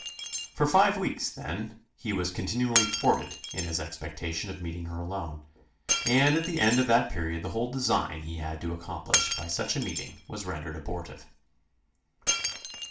For five weeks, then, he was continually thwarted in his expectation of meeting her alone: and at the end of that period the whole design he had to accomplish by such a meeting was rendered abortive.